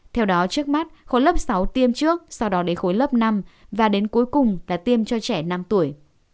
theo đó trước mắt khối lớp sáu tiêm trước sau đó đến khối lớp năm và đến cuối cùng là tiêm cho trẻ năm tuổi